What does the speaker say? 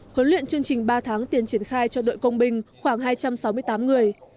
huấn luyện chương trình ba tháng tiền triển khai cho đội công binh khoảng hai trăm sáu mươi tám người